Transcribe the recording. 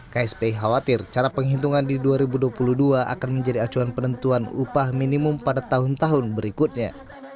kspi khawatir cara penghitungan di dua ribu dua puluh dua akan menjadi acuan penentuan upah minimum pada tahun tahun berikutnya